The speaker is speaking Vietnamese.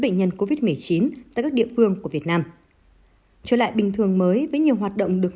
bệnh nhân covid một mươi chín tại các địa phương của việt nam trở lại bình thường mới với nhiều hoạt động được